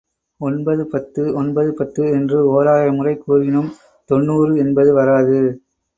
ஒன்பது பத்து ஒன்பது பத்து என்று ஓராயிரம் முறை கூறினும் தொண்ணூறு என்பது வராது.